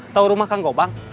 tau rumah kang gobang